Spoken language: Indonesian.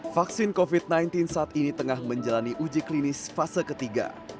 vaksin covid sembilan belas saat ini tengah menjalani uji klinis fase ketiga